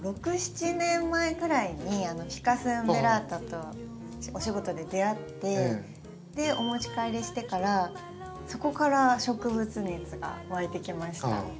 ６７年前ぐらいにフィカス・ウンベラ―タとお仕事で出会ってお持ち帰りしてからそこから植物熱がわいてきました。